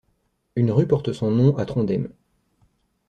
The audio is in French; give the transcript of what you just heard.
Une rue porte son nom à Trondheim.